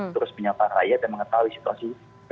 terus menyampaikan rakyat dan mengetahui situasi terkini di maksudnya